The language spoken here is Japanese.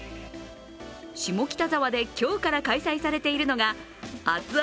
下北沢で今日から開催されているのが熱々！